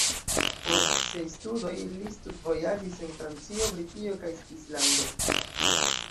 Post siaj studoj li studvojaĝis en Francio, Britio kaj Svislando.